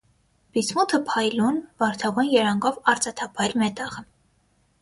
Բիսմութը փայլուն, վարդագույն երանգով արծաթափայլ մետաղ է։